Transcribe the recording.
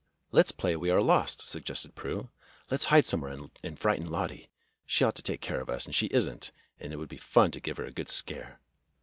"Let's play we are lost," suggested Prue. *'Let's hide somewhere and frighten Lottie. She ought to take care of us, and she is n't, and it would be fun to give her a good scare."